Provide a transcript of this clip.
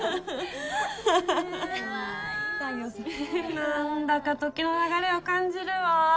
何だか時の流れを感じるわ。